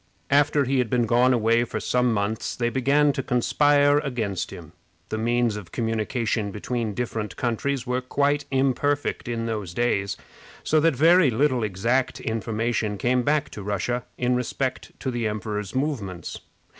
After he had been gone away for some months they began to conspire against him. The means of communication between different countries were quite imperfect in those days, so that very little exact information came back to Russia in respect to the emperor's movements.